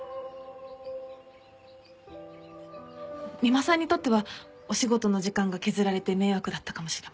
三馬さんにとってはお仕事の時間が削られて迷惑だったかもしれませんが。